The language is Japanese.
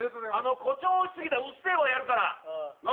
誇張し過ぎた『うっせぇわ』をやるから。